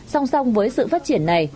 song song với sự phát triển này